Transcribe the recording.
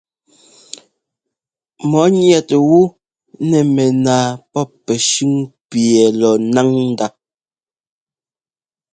Mɔ̌ ŋɛt wú nɛ mɛnaa pɔ́p pɛ́shʉn pi ɛ́ lɔ ńnáŋ ndá.